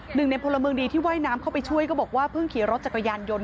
หนึ่งในพลเมืองดีที่ว่ายน้ำเข้าไปช่วยก็บอกว่าเพิ่งขี่รถจักรยานยนต์